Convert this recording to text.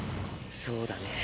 そうだね。